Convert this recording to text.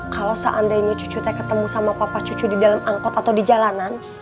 kalau seandainya cucu saya ketemu sama papa cucu di dalam angkot atau di jalanan